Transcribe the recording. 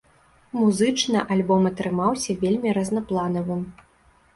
Музычна альбом атрымаўся вельмі разнапланавым.